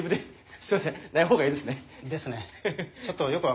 すいません。